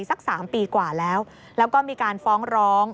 สัก๓ปีกว่าแล้วแล้วก็มีการฟ้องร้อง